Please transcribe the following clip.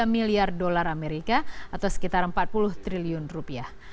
dua delapan puluh tiga miliar dolar as atau sekitar empat puluh triliun rupiah